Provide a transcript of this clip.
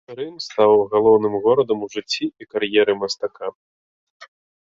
Рым стаў галоўным горадам у жыцці і кар'еры мастака.